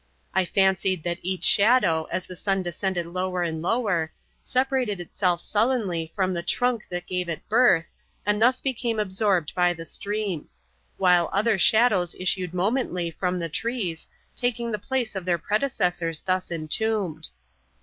I fancied that each shadow, as the sun descended lower and lower, separated itself sullenly from the trunk that gave it birth, and thus became absorbed by the stream; while other shadows issued momently from the trees, taking the place of their predecessors thus entombed.